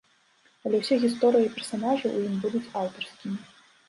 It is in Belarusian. Але ўсе гісторыі і персанажы ў ім будуць аўтарскімі.